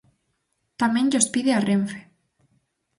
Tamén llos pide a Renfe.